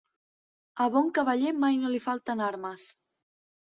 A bon cavaller mai no li falten armes.